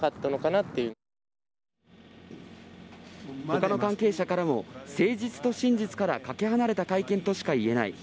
他の関係者からも誠実と真実からかけ離れた会見としか言えない。